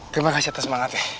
terima kasih atas semangatnya